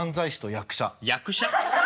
役者？